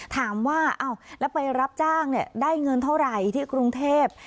ถามว่าแล้วไปรับจ้างได้เงินเท่าไหร่ที่กรุงเทพ